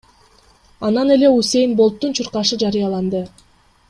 Анан эле Усэйн Болттун чуркашы жарыяланды.